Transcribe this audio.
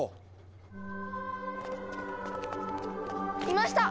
いました！